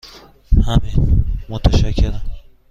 همین، متشکرم.